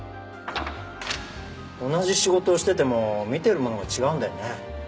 同じ仕事をしてても見てるものが違うんだよね。